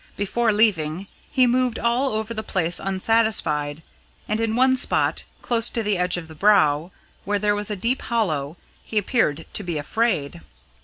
Before leaving, he moved all over the place unsatisfied, and in one spot, close to the edge of the Brow, where there was a deep hollow, he appeared to be afraid.